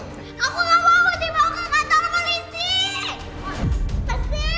aku gak mau dibawa ke mata polisi